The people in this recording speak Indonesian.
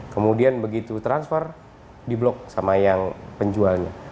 kemudian begitu transfer diblok sama yang penjualnya